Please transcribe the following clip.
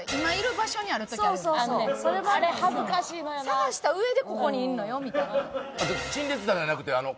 探した上でここにいんのよみたいな。